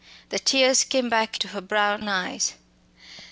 The tears came back to her brown eyes.